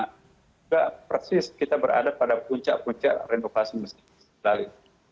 tidak persis kita berada pada puncak puncak renovasi mesin